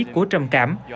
của trầm cảm